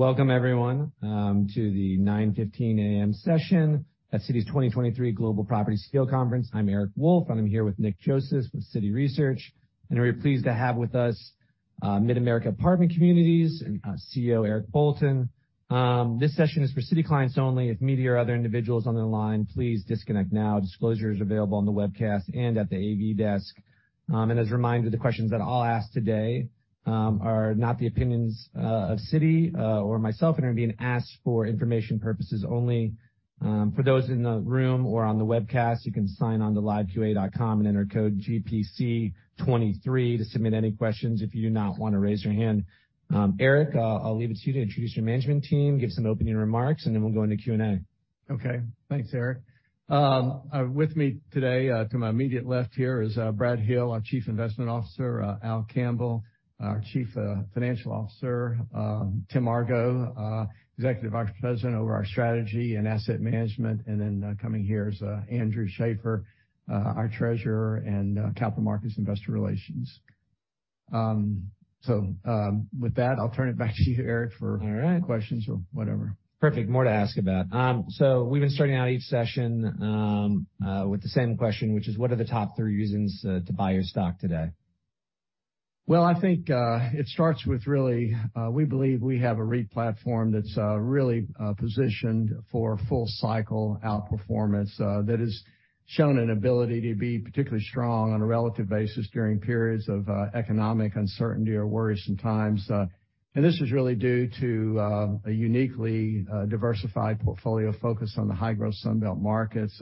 Good. Welcome, everyone, to the 9:15 A.M. session at Citi's 2023 Global Property CEO Conference. I'm Eric Wolfe, I'm here with Nick Joseph with Citi Research, and we're pleased to have with us, Mid-America Apartment Communities and CEO Eric Bolton. This session is for Citi clients only. If media or other individuals on the line, please disconnect now. Disclosure is available on the webcast and at the AV desk. As a reminder, the questions that I'll ask today, are not the opinions of Citi or myself, and are being asked for information purposes only. For those in the room or on the webcast, you can sign on to liveqa.com and enter code GPC23 to submit any questions if you do not wanna raise your hand. Eric, I'll leave it to you to introduce your management team, give some opening remarks, and then we'll go into Q&A. Okay. Thanks, Eric. With me today, to my immediate left here is Brad Hill, our Chief Investment Officer, Al Campbell, our Chief Financial Officer, Tim Argo, Executive Vice President over our strategy and asset management. Coming here is Andrew Schaeffer, our Treasurer in Capital Markets, Investor Relations. With that, I'll turn it back to you, Eric. All right. Questions or whatever. Perfect. More to ask about. We've been starting out each session with the same question, which is what are the top 3 reasons to buy your stock today? Well, I think, it starts with really, we believe we have a REIT platform that's, really, positioned for full cycle outperformance, that has shown an ability to be particularly strong on a relative basis during periods of economic uncertainty or worrisome times. This is really due to a uniquely diversified portfolio focused on the high-growth Sun Belt markets,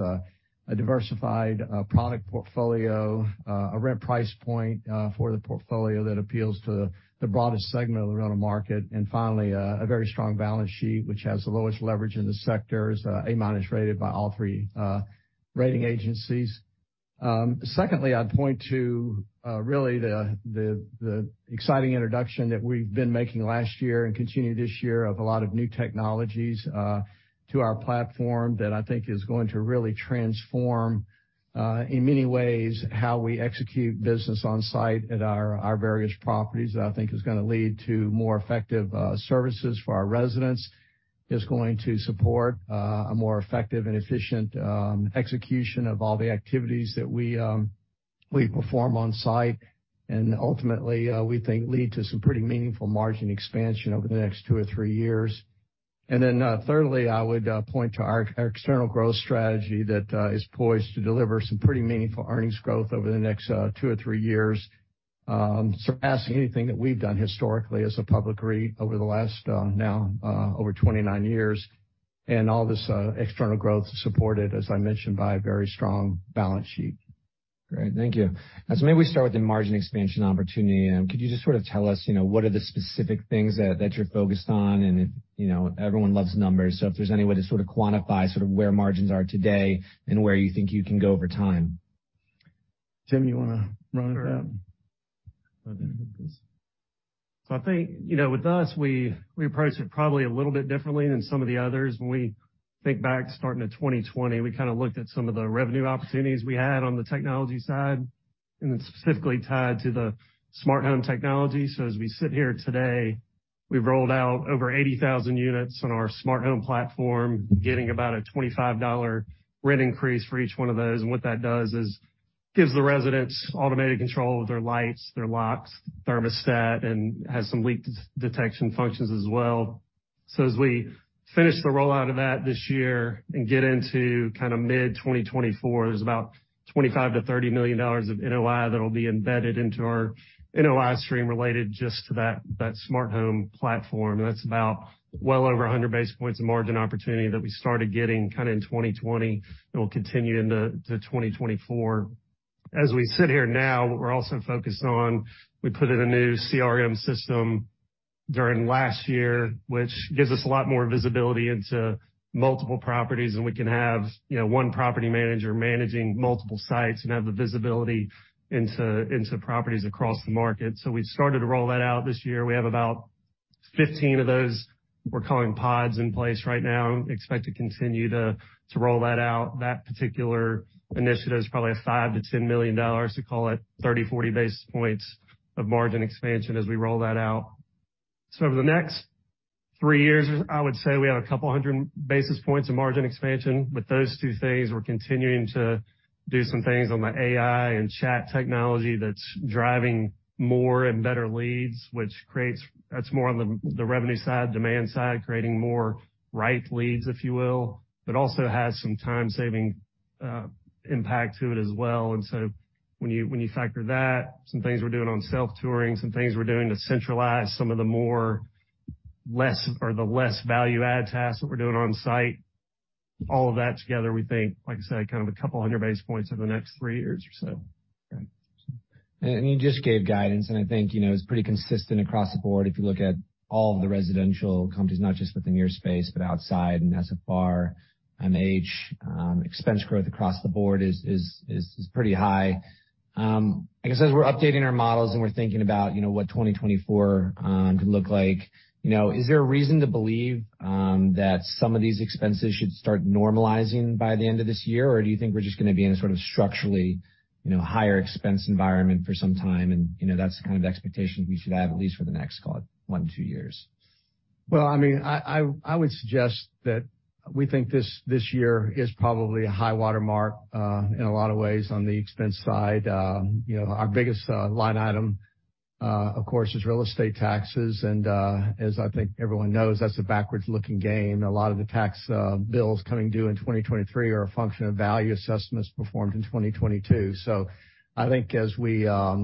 a diversified product portfolio, a rent price point for the portfolio that appeals to the broadest segment of the rental market, and finally, a very strong balance sheet, which has the lowest leverage in the sector, is A-minus rated by all three rating agencies. Secondly, I'd point to really the, the exciting introduction that we've been making last year and continue this year of a lot of new technologies to our platform that I think is going to really transform in many ways, how we execute business on site at our various properties that I think is gonna lead to more effective services for our residents. It's going to support a more effective and efficient execution of all the activities that we perform on site, and ultimately, we think, lead to some pretty meaningful margin expansion over the next two or three years. Thirdly, I would point to our external growth strategy that is poised to deliver some pretty meaningful earnings growth over the next 2 or 3 years, surpassing anything that we've done historically as a public REIT over the last now over 29 years. All this external growth is supported, as I mentioned, by a very strong balance sheet. Great. Thank you. Maybe we start with the margin expansion opportunity. Could you just sort of tell us, you know, what are the specific things that you're focused on? If, you know, everyone loves numbers, so if there's any way to sort of quantify sort of where margins are today and where you think you can go over time? Tim, you wanna run with that? Sure. I think, you know, with us, we approach it probably a little bit differently than some of the others. When we think back starting to 2020, we kind of looked at some of the revenue opportunities we had on the technology side, and it's specifically tied to the smart home technology. As we sit here today, we've rolled out over 80,000 units on our smart home platform, getting about a $25 rent increase for each one of those. What that does is gives the residents automated control of their lights, their locks, thermostat, and has some leak detection functions as well. As we finish the rollout of that this year and get into kind of mid-2024, there's about $25 million-$30 million of NOI that'll be embedded into our NOI stream related just to that smart home platform. That's about well over 100 basis points of margin opportunity that we started getting kinda in 2020, and we'll continue into 2024. As we sit here now, what we're also focused on, we put in a new CRM system during last year, which gives us a lot more visibility into multiple properties, and we can have, you know, one property manager managing multiple sites and have the visibility into properties across the market. We started to roll that out this year. We have about 15 of those we're calling pods in place right now. Expect to continue to roll that out. That particular initiative is probably a $5 million-$10 million, to call it 30-40 basis points of margin expansion as we roll that out. Over the next 3 years, I would say we have a couple hundred basis points of margin expansion. With those two things, we're continuing to do some things on the AI and chat technology that's driving more and better leads. That's more on the revenue side, demand side, creating more ripe leads, if you will, but also has some time-saving impact to it as well. When you, when you factor that, some things we're doing on self-touring, some things we're doing to centralize the less value add tasks that we're doing on site, all of that together, we think, like I said, kind of a couple hundred basis points over the next 3 years or so. You just gave guidance, and I think, you know, it's pretty consistent across the board if you look at all of the residential companies, not just within your space, but outside. As of far, MH, expense growth across the board is pretty high. I guess as we're updating our models and we're thinking about, you know, what 2024 could look like, you know, is there a reason to believe that some of these expenses should start normalizing by the end of this year? Do you think we're just gonna be in a sort of structurally, you know, higher expense environment for some time and, you know, that's the kind of expectation we should have at least for the next, call it, 1-2 years? Well, I mean, I would suggest that we think this year is probably a high watermark in a lot of ways on the expense side. You know, our biggest line item, of course, is real estate taxes, and as I think everyone knows, that's a backwards-looking game. A lot of the tax bills coming due in 2023 are a function of value assessments performed in 2022. I think as we are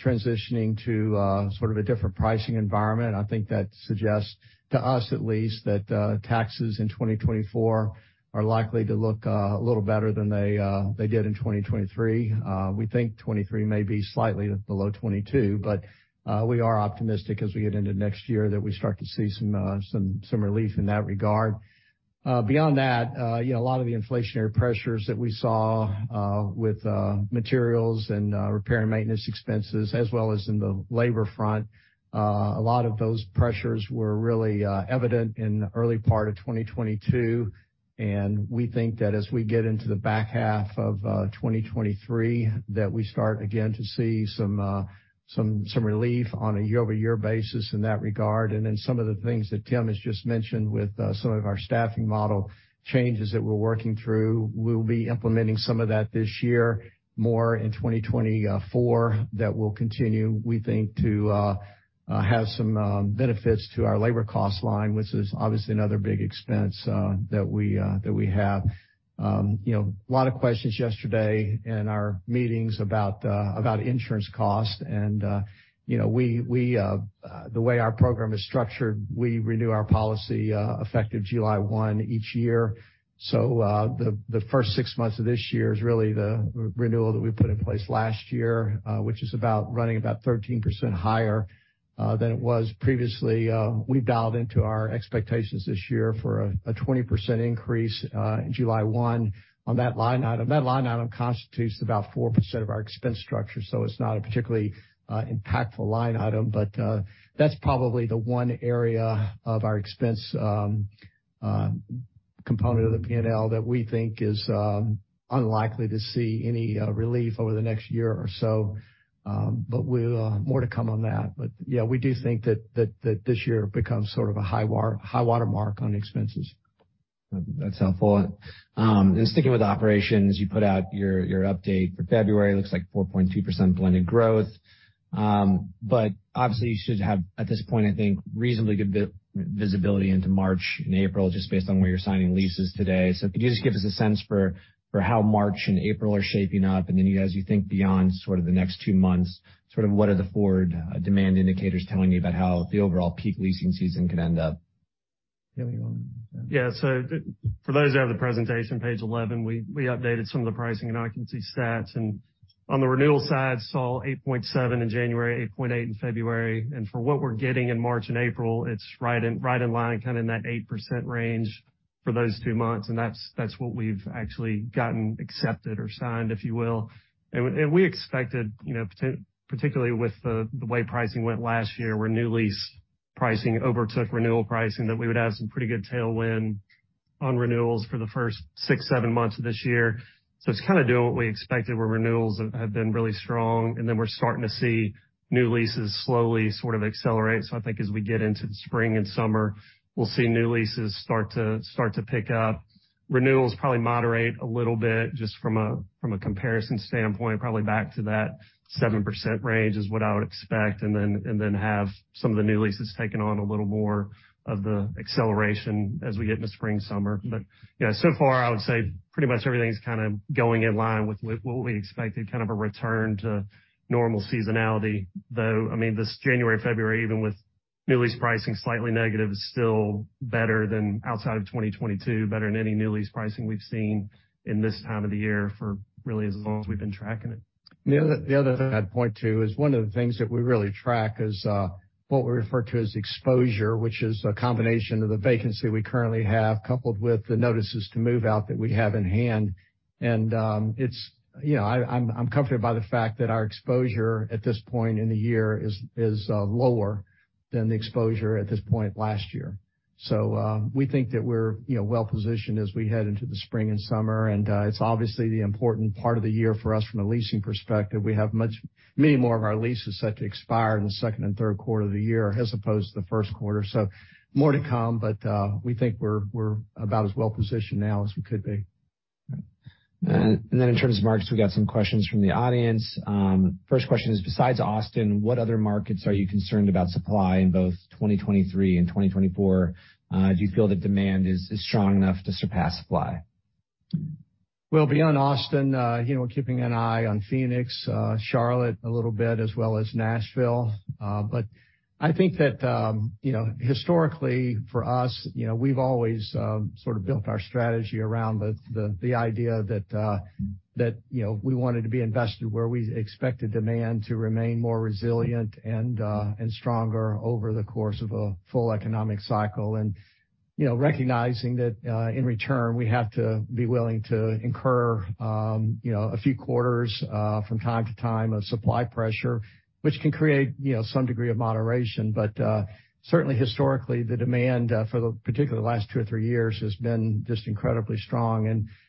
transitioning to sort of a different pricing environment, I think that suggests to us at least that taxes in 2024 are likely to look a little better than they did in 2023. We think 2023 may be slightly below 2022, but we are optimistic as we get into next year that we start to see some relief in that regard. Beyond that, you know, a lot of the inflationary pressures that we saw with materials and repair and maintenance expenses as well as in the labor front, a lot of those pressures were really evident in the early part of 2022, and we think that as we get into the back half of 2023, that we start again to see some relief on a year-over-year basis in that regard. Some of the things that Tim has just mentioned with some of our staffing model changes that we're working through, we'll be implementing some of that this year, more in 2024. That will continue, we think, to have some benefits to our labor cost line, which is obviously another big expense that we have. You know, a lot of questions yesterday in our meetings about insurance costs and, you know, we the way our program is structured, we renew our policy effective July 1 each year. The first 6 months of this year is really the renewal that we put in place last year, which is about running about 13% higher than it was previously. We've dialed into our expectations this year for a 20% increase in July 1 on that line item. That line item constitutes about 4% of our expense structure, so it's not a particularly impactful line item. That's probably the one area of our expense component of the P&L that we think is unlikely to see any relief over the next year or so. We'll more to come on that. Yeah, we do think that this year becomes sort of a high watermark on expenses. That's helpful. Sticking with operations, you put out your update for February. It looks like 4.2% blended growth. Obviously you should have, at this point, I think reasonably good visibility into March and April just based on where you're signing leases today. Could you just give us a sense for how March and April are shaping up? Then, you know, as you think beyond the next two months, what are the forward demand indicators telling you about how the overall peak leasing season could end up? Tim, you want to- For those who have the presentation, page 11, we updated some of the pricing and occupancy stats. On the renewal side, saw 8.7% in January, 8.8% in February. For what we're getting in March and April, it's right in line, kind of in that 8% range for those two months. That's what we've actually gotten accepted or signed, if you will. We expected, you know, particularly with the way pricing went last year, where new lease pricing overtook renewal pricing, that we would have some pretty good tailwind on renewals for the first 6, 7 months of this year. It's kind of doing what we expected, where renewals have been really strong, and then we're starting to see new leases slowly sort of accelerate. I think as we get into the spring and summer, we'll see new leases start to pick up. Renewals probably moderate a little bit just from a comparison standpoint, probably back to that 7% range is what I would expect. Then have some of the new leases taking on a little more of the acceleration as we get into spring, summer. Yeah, so far I would say pretty much everything's kind of going in line with what we expected, kind of a return to normal seasonality, though, I mean, this January, February, even with new lease pricing slightly negative is still better than outside of 2022, better than any new lease pricing we've seen in this time of the year for really as long as we've been tracking it. The other thing I'd point to is one of the things that we really track is what we refer to as exposure, which is a combination of the vacancy we currently have, coupled with the notices to move out that we have in hand. You know, I'm comfortable by the fact that our exposure at this point in the year is lower than the exposure at this point last year. We think that we're, you know, well-positioned as we head into the spring and summer. It's obviously the important part of the year for us from a leasing perspective. We have many more of our leases set to expire in the second and third quarter of the year as opposed to the first quarter. More to come, but, we think we're about as well positioned now as we could be. In terms of markets, we got some questions from the audience. First question is, besides Austin, what other markets are you concerned about supply in both 2023 and 2024? Do you feel that demand is strong enough to surpass supply? Beyond Austin, you know, we're keeping an eye on Phoenix, Charlotte a little bit, as well as Nashville. I think that, you know, historically for us, you know, we've always sort of built our strategy around the idea that, you know, we wanted to be invested where we expected demand to remain more resilient and stronger over the course of a full economic cycle. Recognizing that, in return, we have to be willing to incur, you know, a few quarters from time to time of supply pressure, which can create, you know, some degree of moderation. Certainly historically, the demand for the particularly last two or three years has been just incredibly strong.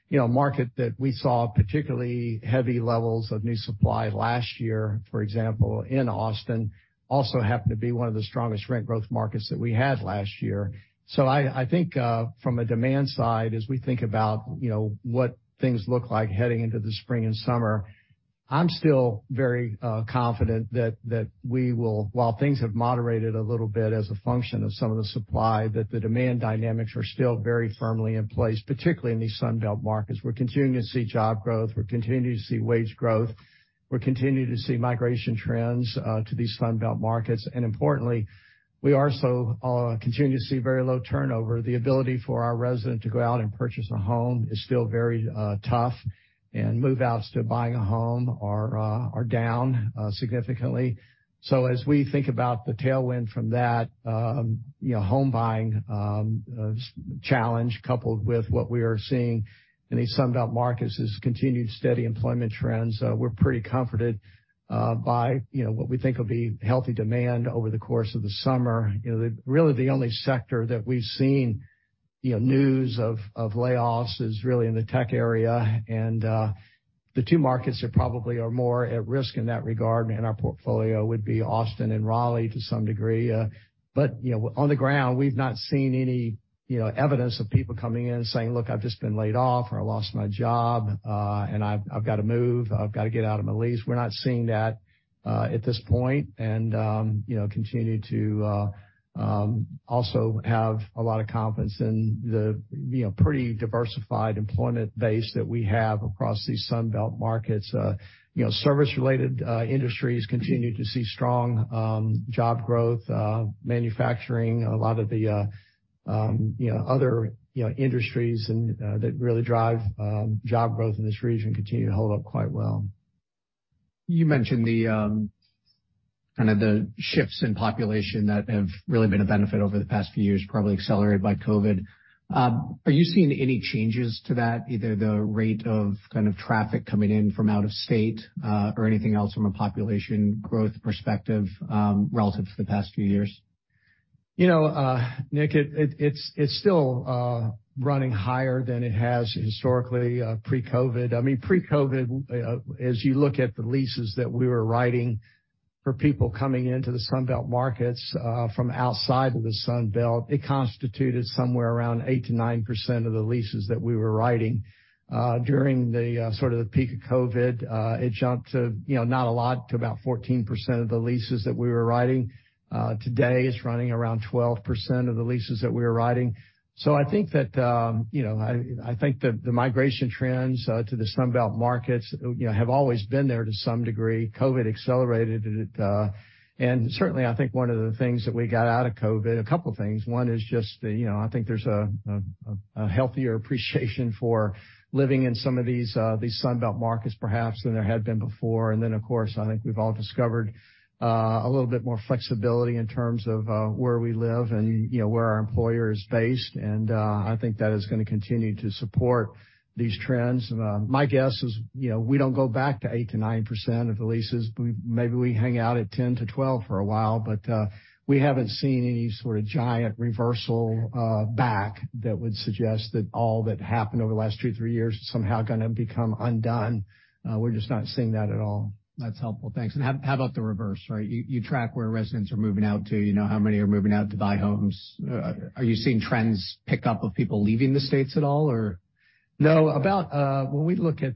you know, a market that we saw particularly heavy levels of new supply last year, for example, in Austin, also happened to be one of the strongest rent growth markets that we had last year. I think, from a demand side, as we think about, you know, what things look like heading into the spring and summer, I'm still very confident that we will. While things have moderated a little bit as a function of some of the supply, that the demand dynamics are still very firmly in place, particularly in these Sun Belt markets. We're continuing to see job growth. We're continuing to see wage growth. We're continuing to see migration trends to these Sun Belt markets. We also continue to see very low turnover. The ability for our resident to go out and purchase a home is still very tough, and move-outs to buying a home are down significantly. As we think about the tailwind from that home buying challenge, coupled with what we are seeing in these Sun Belt markets is continued steady employment trends. We're pretty comforted by, you know, what we think will be healthy demand over the course of the summer. You know, the really the only sector that we've seen, you know, news of layoffs is really in the tech area. The two markets that probably are more at risk in that regard in our portfolio would be Austin and Raleigh to some degree. You know, on the ground, we've not seen any, you know, evidence of people coming in saying, "Look, I've just been laid off," or, "I lost my job, and I've gotta move. I've gotta get out of my lease." We're not seeing that at this point. You know, continue to also have a lot of confidence in the, you know, pretty diversified employment base that we have across these Sun Belt markets. You know, service-related industries continue to see strong job growth, manufacturing, a lot of the, you know, other, you know, industries and that really drive job growth in this region continue to hold up quite well. You mentioned the kind of the shifts in population that have really been a benefit over the past few years, probably accelerated by COVID. Are you seeing any changes to that, either the rate of kind of traffic coming in from out of state, or anything else from a population growth perspective, relative to the past few years? You know, Nick, it's still running higher than it has historically, pre-COVID. I mean, pre-COVID, as you look at the leases that we were writing for people coming into the Sun Belt markets, from outside of the Sun Belt, it constituted somewhere around 8%-9% of the leases that we were writing. During the sort of the peak of COVID, it jumped to, you know, not a lot, to about 14% of the leases that we were writing. Today, it's running around 12% of the leases that we are writing. I think that, you know, I think the migration trends to the Sun Belt markets, you know, have always been there to some degree. COVID accelerated it. Certainly, I think one of the things that we got out of COVID, a couple of things. One is just the, you know, I think there's a healthier appreciation for living in some of these Sun Belt markets perhaps than there had been before. Then, of course, I think we've all discovered a little bit more flexibility in terms of where we live and you know, where our employer is based. I think that is gonna continue to support these trends. My guess is, you know, we don't go back to 8%-9% of the leases. Maybe we hang out at 10 to 12 for a while, but, we haven't seen any sort of giant reversal, back that would suggest that all that happened over the last 2, 3 years is somehow gonna become undone. We're just not seeing that at all. That's helpful. Thanks. How about the reverse, right? You track where residents are moving out to, you know how many are moving out to buy homes. Are you seeing trends pick up of people leaving the states at all, or? No. About, when we look at,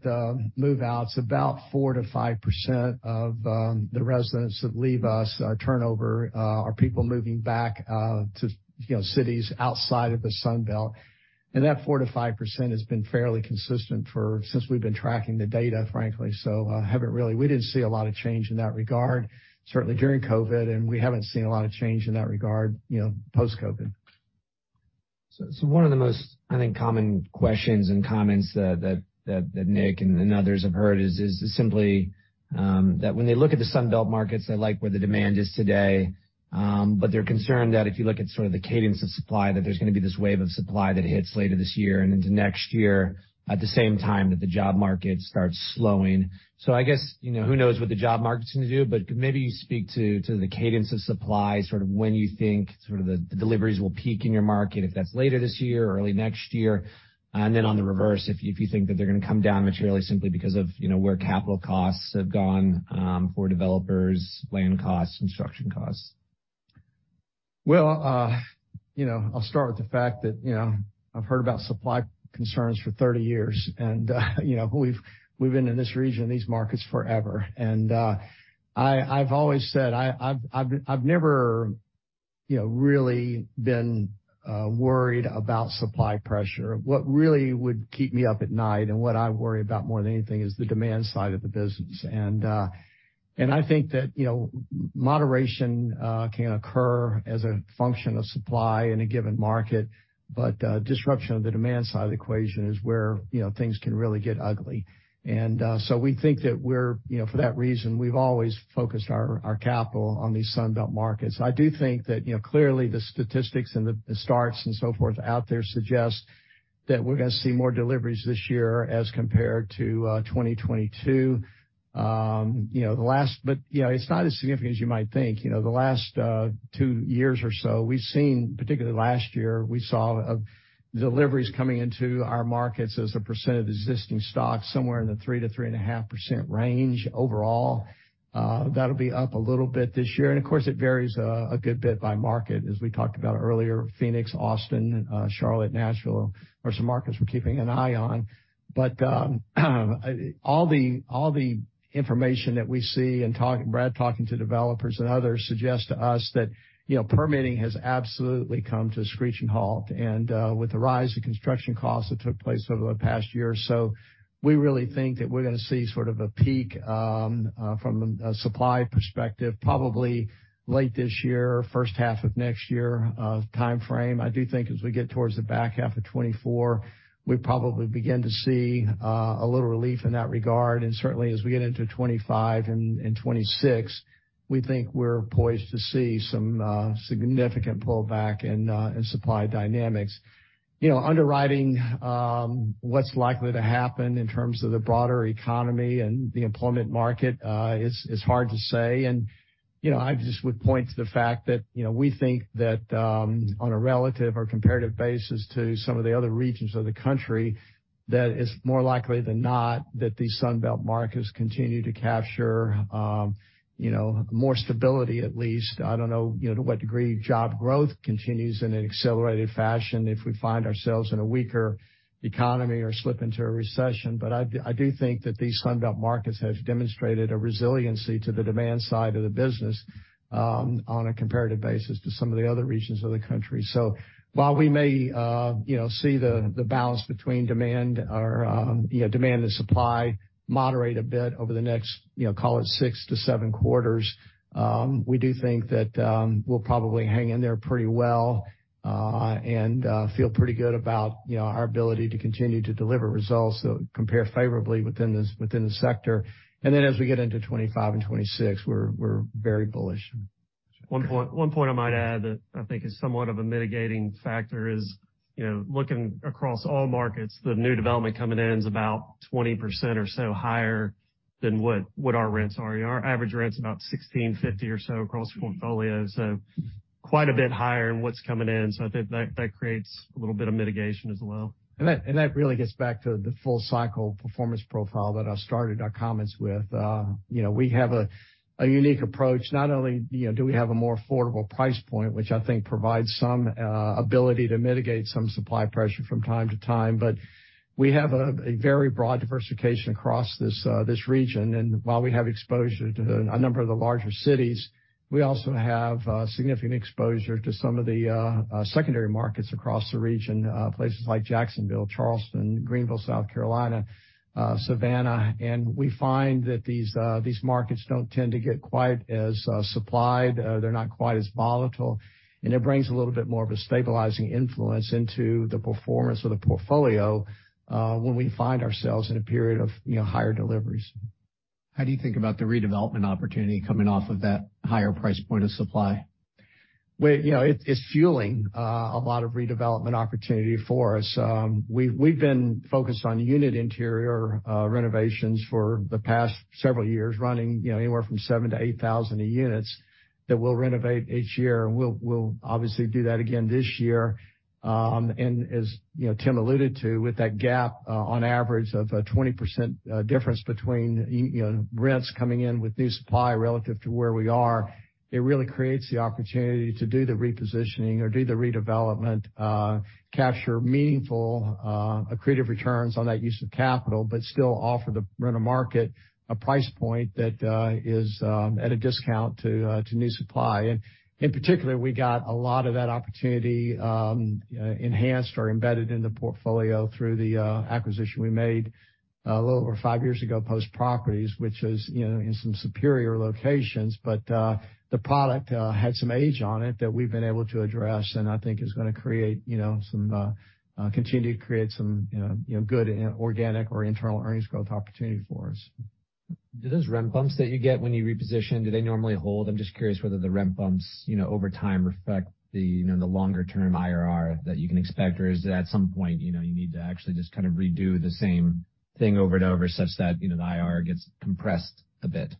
move-outs, about 4%-5% of the residents that leave us are turnover, are people moving back, to, you know, cities outside of the Sun Belt. That 4%-5% has been fairly consistent for since we've been tracking the data, frankly. We didn't see a lot of change in that regard, certainly during COVID, and we haven't seen a lot of change in that regard, you know, post-COVID. One of the most, I think, common questions and comments that Nick and others have heard is simply, that when they look at the Sun Belt markets, they like where the demand is today, but they're concerned that if you look at sort of the cadence of supply, that there's gonna be this wave of supply that hits later this year and into next year, at the same time that the job market starts slowing. I guess, you know, who knows what the job market's gonna do, but maybe you speak to the cadence of supply, sort of when you think sort of the deliveries will peak in your market, if that's later this year or early next year? On the reverse, if you think that they're gonna come down materially simply because of, you know, where capital costs have gone, for developers, land costs, construction costs. You know, I'll start with the fact that, you know, I've heard about supply concerns for 30 years, you know, we've been in this region, these markets forever. I've always said I've never, you know, really been worried about supply pressure. What really would keep me up at night and what I worry about more than anything is the demand side of the business. I think that, you know, moderation can occur as a function of supply in a given market, but disruption of the demand side of the equation is where, you know, things can really get ugly. We think that we're, you know, for that reason, we've always focused our capital on these Sun Belt markets. I do think that, you know, clearly the statistics and the starts and so forth out there suggest that we're gonna see more deliveries this year as compared to 2022. You know, it's not as significant as you might think. You know, the last 2 years or so, we've seen, particularly last year, we saw deliveries coming into our markets as a percent of existing stock, somewhere in the 3% to 3.5% range overall. That'll be up a little bit this year. Of course, it varies a good bit by market, as we talked about earlier, Phoenix, Austin, Charlotte, Nashville are some markets we're keeping an eye on. All the information that we see and Brad talking to developers and others suggest to us that, you know, permitting has absolutely come to a screeching halt. With the rise in construction costs that took place over the past year or so, we really think that we're gonna see sort of a peak from a supply perspective, probably late this year or first half of next year timeframe. I do think as we get towards the back half of 2024, we probably begin to see a little relief in that regard. Certainly, as we get into 2025 and 2026, we think we're poised to see some significant pullback in supply dynamics. You know, underwriting, what's likely to happen in terms of the broader economy and the employment market, is hard to say. You know, I just would point to the fact that, you know, we think that, on a relative or comparative basis to some of the other regions of the country, that it's more likely than not that these Sun Belt markets continue to capture, you know, more stability, at least. I don't know, you know, to what degree job growth continues in an accelerated fashion if we find ourselves in a weaker economy or slip into a recession. I do think that these Sun Belt markets have demonstrated a resiliency to the demand side of the business, on a comparative basis to some of the other regions of the country. While we may, you know, see the balance between demand or, you know, demand and supply moderate a bit over the next, you know, call it six to seven quarters, we do think that, we'll probably hang in there pretty well, and feel pretty good about, you know, our ability to continue to deliver results that compare favorably within the sector. As we get into 2025 and 2026, we're very bullish. One point I might add that I think is somewhat of a mitigating factor is, you know, looking across all markets, the new development coming in is about 20% or so higher than what our rents are. Our average rent's about $1,650 or so across the portfolio, so quite a bit higher in what's coming in. I think that creates a little bit of mitigation as well. That really gets back to the full cycle performance profile that I started our comments with. You know, we have a unique approach. Not only, you know, do we have a more affordable price point, which I think provides some ability to mitigate some supply pressure from time to time, but we have a very broad diversification across this region. While we have exposure to a number of the larger cities, we also have significant exposure to some of the secondary markets across the region, places like Jacksonville, Charleston, Greenville, South Carolina, Savannah. We find that these markets don't tend to get quite as supplied. They're not quite as volatile, and it brings a little bit more of a stabilizing influence into the performance of the portfolio, when we find ourselves in a period of, you know, higher deliveries. How do you think about the redevelopment opportunity coming off of that higher price point of supply? Well, you know, it's fueling a lot of redevelopment opportunity for us. We've been focused on unit interior renovations for the past several years, running, you know, anywhere from 7,000-8,000 units that we'll renovate each year. We'll obviously do that again this year. As, you know, Tim alluded to, with that gap, on average of a 20% difference between you know, rents coming in with new supply relative to where we are, it really creates the opportunity to do the repositioning or do the redevelopment, capture meaningful accretive returns on that use of capital, but still offer the rental market a price point that is at a discount to new supply. In particular, we got a lot of that opportunity, enhanced or embedded in the portfolio through the acquisition we made a little over 5 years ago, Post Properties, which is, you know, in some superior locations, but the product had some age on it that we've been able to address, and I think is gonna create, you know, some, continue to create some, you know, good organic or internal earnings growth opportunity for us. Do those rent bumps that you get when you reposition, do they normally hold? I'm just curious whether the rent bumps, you know, over time reflect the, you know, the longer-term IRR that you can expect, or is it at some point, you know, you need to actually just kind of redo the same thing over and over such that, you know, the IRR gets compressed a bit?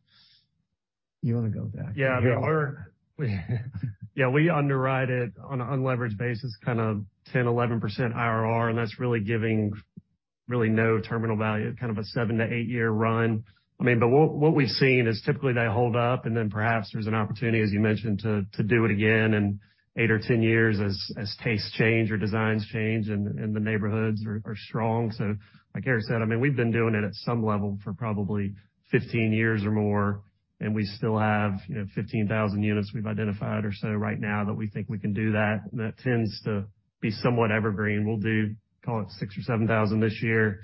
You wanna go at that? Yeah. I mean, we underwrite it on an unleveraged basis, kind of 10%, 11% IRR, and that's really giving really no terminal value, kind of a 7-8 year run. What we've seen is typically they hold up, and then perhaps there's an opportunity, as you mentioned, to do it again in 8 or 10 years as tastes change or designs change and the neighborhoods are strong. Like Eric said, I mean, we've been doing it at some level for probably 15 years or more, and we still have, you know, 15,000 units we've identified or so right now that we think we can do that. That tends to be somewhat evergreen. We'll do, call it 6,000 or 7,000 this year,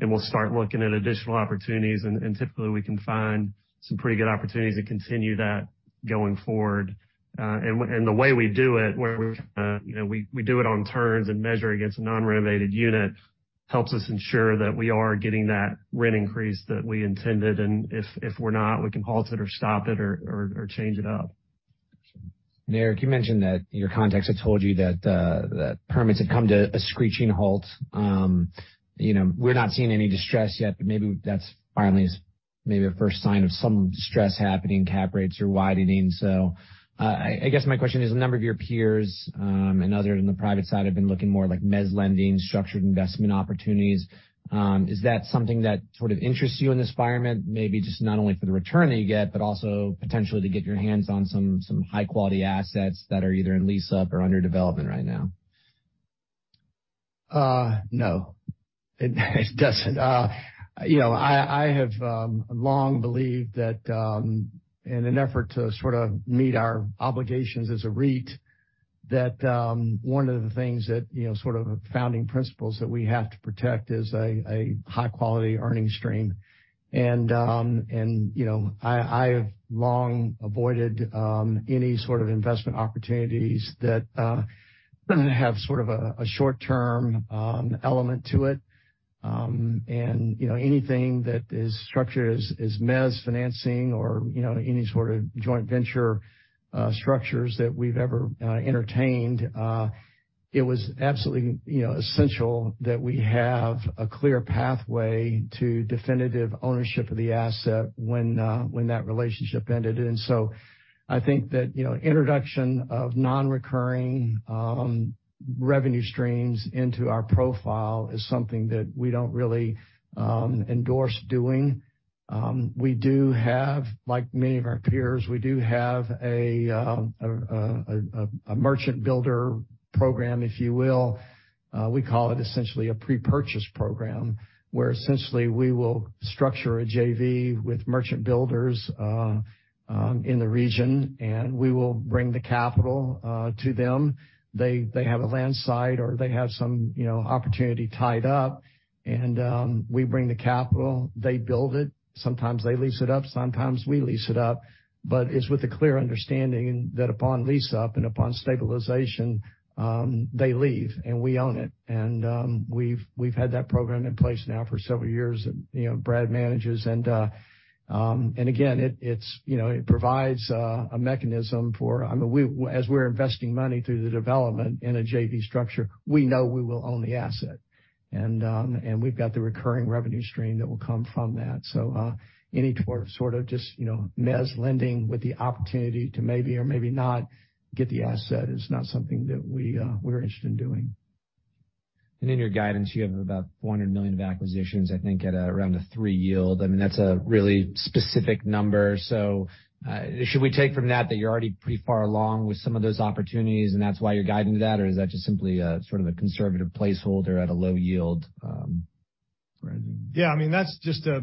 and we'll start looking at additional opportunities, and typically we can find some pretty good opportunities to continue that going forward. The way we do it, where we're trying to, you know, we do it on turns and measure against a non-renovated unit, helps us ensure that we are getting that rent increase that we intended, and if we're not, we can halt it or stop it or change it up. Eric, you mentioned that your contacts have told you that permits have come to a screeching halt. You know, we're not seeing any distress yet, but maybe that's finally is maybe a first sign of some stress happening, cap rates are widening. I guess my question is, a number of your peers, and others in the private side have been looking more like mezz lending, structured investment opportunities. Is that something that sort of interests you in this environment? Maybe just not only for the return that you get, but also potentially to get your hands on some high-quality assets that are either in lease-up or under development right now. No. It doesn't. You know, I have long believed that, in an effort to sort of meet our obligations as a REIT, that one of the things that, you know, sort of founding principles that we have to protect is a high-quality earning stream. You know, I've long avoided any sort of investment opportunities that have sort of a short-term element to it. You know, anything that is structured as mezz financing or, you know, any sort of joint venture structures that we've ever entertained. It was absolutely, you know, essential that we have a clear pathway to definitive ownership of the asset when that relationship ended. I think that, you know, introduction of nonrecurring revenue streams into our profile is something that we don't really endorse doing. We do have, like many of our peers, we do have a merchant builder program, if you will. We call it essentially a pre-purchase program, where essentially we will structure a JV with merchant builders in the region, and we will bring the capital to them. They have a land site or they have some, you know, opportunity tied up. We bring the capital, they build it. Sometimes they lease it up, sometimes we lease it up. It's with a clear understanding that upon lease-up and upon stabilization, they leave, and we own it. We've had that program in place now for several years, and, you know, Brad manages. Again, it's, you know, it provides, a mechanism for... I mean, as we're investing money through the development in a JV structure, we know we will own the asset. And we've got the recurring revenue stream that will come from that. Any sort of just, you know, mezz lending with the opportunity to maybe or maybe not get the asset is not something that we're interested in doing. In your guidance, you have about $400 million of acquisitions, I think at around a 3% yield. I mean, that's a really specific number. Should we take from that you're already pretty far along with some of those opportunities, and that's why you're guiding to that? Or is that just simply a sort of a conservative placeholder at a low yield, Brad? Yeah. I mean, that's just a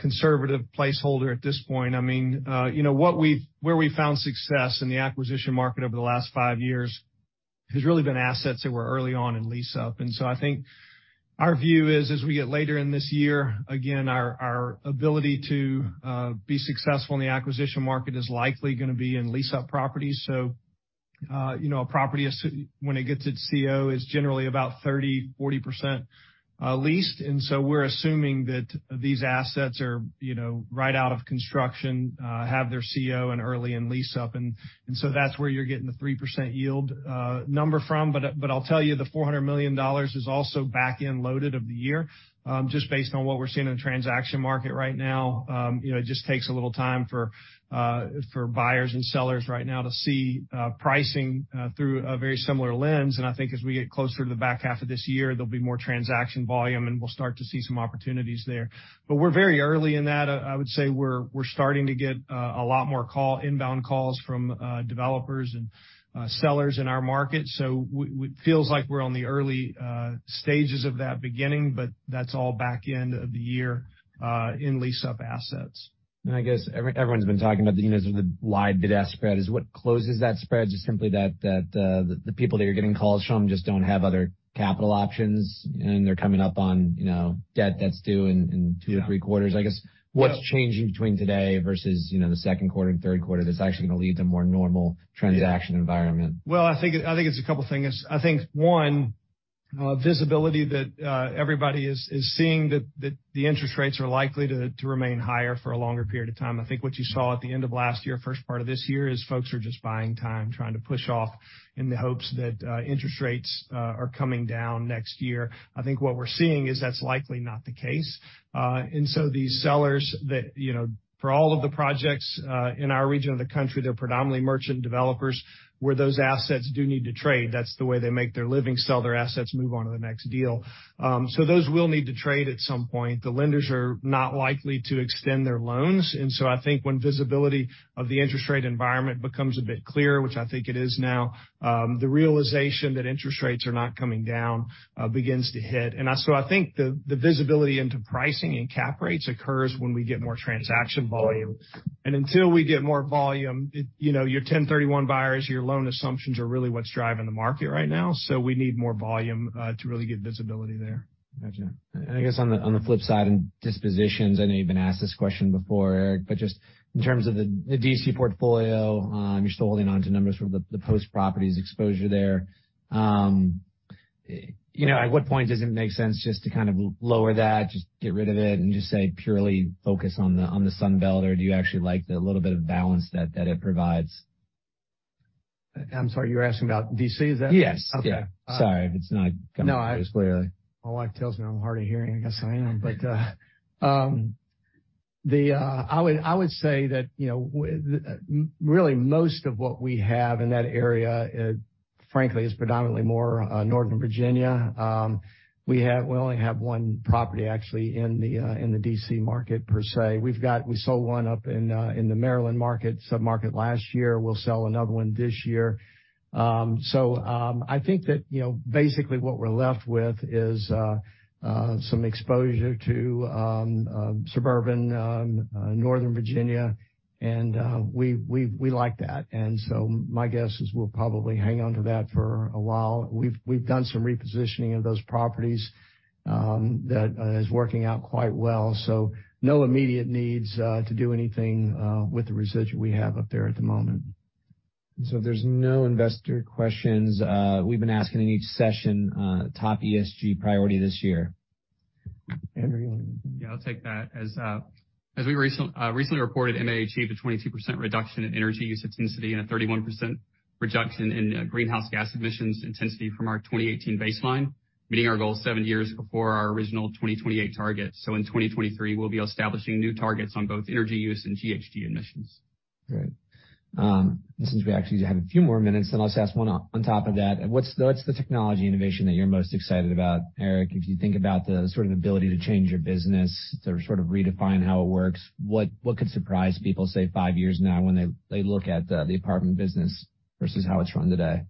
conservative placeholder at this point. I mean, you know where we found success in the acquisition market over the last five years has really been assets that were early on in lease-up. I think our view is, as we get later in this year, again, our ability to be successful in the acquisition market is likely gonna be in lease-up properties. You know, a property, when it gets its CO, is generally about 30%, 40% leased. We're assuming that these assets are, you know, right out of construction, have their CO and early in lease-up. That's where you're getting the 3% yield number from. I'll tell you, the $400 million is also back-end loaded of the year, just based on what we're seeing in the transaction market right now. You know, it just takes a little time for buyers and sellers right now to see pricing through a very similar lens. I think as we get closer to the back half of this year, there'll be more transaction volume, and we'll start to see some opportunities there. We're very early in that. I would say we're starting to get a lot more call, inbound calls from developers and sellers in our market. It feels like we're on the early stages of that beginning, but that's all back end of the year in lease-up assets. I guess everyone's been talking about the, you know, sort of wide bid-ask spread is what closes that spread. Just simply that, the people that you're getting calls from just don't have other capital options, and they're coming up on, you know, debt that's due in two or three quarters. I guess, what's changing between today versus, you know, the second quarter and third quarter that's actually gonna lead to more normal transaction environment? Well, I think it's a couple things. I think, one, visibility that everybody is seeing that the interest rates are likely to remain higher for a longer period of time. I think what you saw at the end of last year, first part of this year, is folks are just buying time, trying to push off in the hopes that interest rates are coming down next year. I think what we're seeing is that's likely not the case. These sellers that, you know, for all of the projects, in our region of the country, they're predominantly merchant developers, where those assets do need to trade. That's the way they make their living, sell their assets, move on to the next deal. Those will need to trade at some point. The lenders are not likely to extend their loans. I think when visibility of the interest rate environment becomes a bit clearer, which I think it is now, the realization that interest rates are not coming down begins to hit. I think the visibility into pricing and cap rates occurs when we get more transaction volume. Until we get more volume, it, you know, your 1031 buyers, your loan assumptions are really what's driving the market right now. We need more volume to really get visibility there. Gotcha. I guess on the flip side, in dispositions, I know you've been asked this question before, Eric, but just in terms of the D.C. portfolio, you're still holding on to numbers from the Post Properties exposure there. You know, at what point does it make sense just to kind of lower that, just get rid of it and just say, purely focus on the Sun Belt? Or do you actually like the little bit of balance that it provides? I'm sorry, you're asking about D.C., is that? Yes. Okay. Sorry if it's not coming across clearly. No. My wife tells me I'm hard of hearing. I guess I am. I would say that, you know, with really most of what we have in that area, frankly, is predominantly more Northern Virginia. We only have one property actually in the D.C. market per se. We sold one up in the Maryland market, sub-market last year. We'll sell another one this year. I think that, you know, basically what we're left with is some exposure to suburban Northern Virginia, and we like that. My guess is we'll probably hang on to that for a while. We've done some repositioning of those properties that is working out quite well. No immediate needs to do anything with the residual we have up there at the moment. If there's no investor questions, we've been asking in each session, top ESG priority this year. Yeah, I'll take that. As we recently reported, MAA achieved a 22% reduction in energy use intensity and a 31% reduction in greenhouse gas emissions intensity from our 2018 baseline, meeting our goal 7 years before our original 2028 target. In 2023, we'll be establishing new targets on both energy use and GHG emissions. Great. Since we actually have a few more minutes, let's ask one on top of that. What's the technology innovation that you're most excited about? Eric, if you think about the sort of ability to change your business to sort of redefine how it works, what could surprise people, say, five years from now when they look at the apartment business versus how it's run today?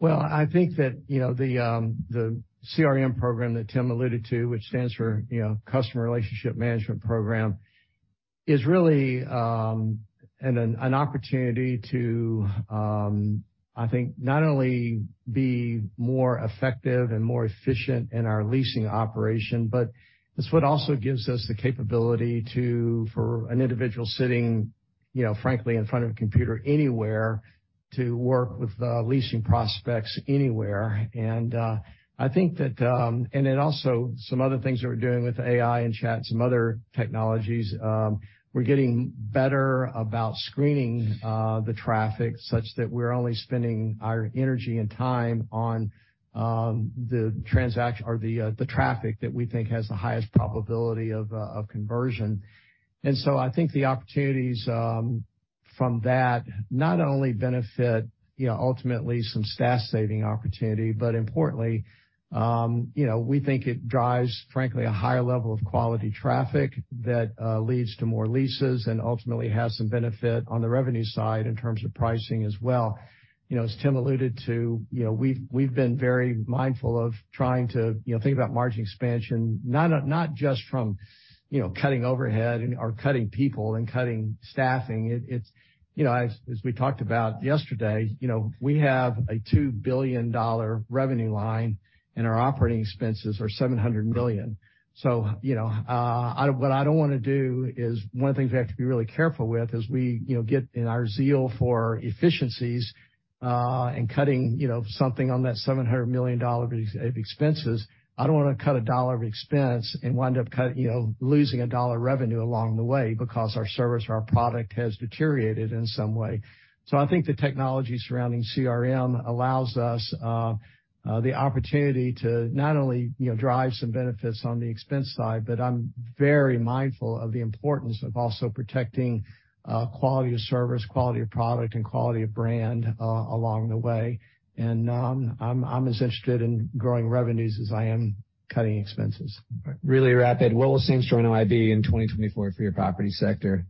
Well, I think that, you know, the CRM program that Tim alluded to, which stands for, you know, customer relationship management program, is really an opportunity to, I think not only be more effective and more efficient in our leasing operation, but it's what also gives us the capability to, for an individual sitting, you know, frankly, in front of a computer anywhere to work with leasing prospects anywhere. I think that, and then also some other things that we're doing with AI and chat, some other technologies, we're getting better about screening the traffic such that we're only spending our energy and time on the transaction or the traffic that we think has the highest probability of conversion. I think the opportunities from that not only benefit, you know, ultimately some staff saving opportunity, but importantly, you know, we think it drives, frankly, a higher level of quality traffic that leads to more leases and ultimately has some benefit on the revenue side in terms of pricing as well. You know, as Tim alluded to, you know, we've been very mindful of trying to, you know, think about margin expansion, not just from, you know, cutting overhead or cutting people and cutting staffing. It, it's, you know, as we talked about yesterday, you know, we have a $2 billion revenue line, and our operating expenses are $700 million. you know, what I don't wanna do is one of the things we have to be really careful with is we, you know, get in our zeal for efficiencies, and cutting, you know, something on that $700 million of expenses. I don't wanna cut $1 of expense and wind up losing $1 revenue along the way because our service or our product has deteriorated in some way. I think the technology surrounding CRM allows us the opportunity to not only, you know, drive some benefits on the expense side, but I'm very mindful of the importance of also protecting quality of service, quality of product and quality of brand along the way. I'm as interested in growing revenues as I am cutting expenses. Really rapid. What will same-store NOI be in 2024 for your property sector?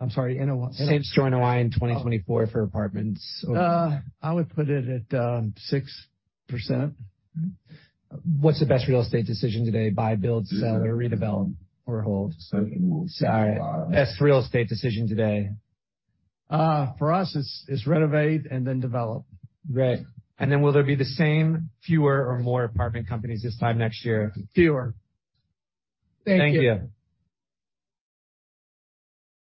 I'm sorry, in a what? Same-store NOI in 2024 for apartments. I would put it at 6%. What's the best real estate decision today, buy, build, sell or redevelop or hold? Sell. All right. Best real estate decision today. For us, it's renovate and then develop. Great. Then will there be the same, fewer or more apartment companies this time next year? Fewer. Thank you.